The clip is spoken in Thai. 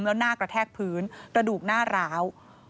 แล้วหน้ากระแทกพื้นกระดูกหน้าร้าว